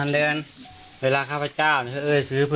ที่ละคนครับเอาศักดิ์สิทธิ์สุธิ์ทีละคนเลยครับ